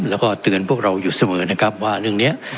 แล้วก็เตือนพวกเราอยู่เสมอนะครับว่าเรื่องนี้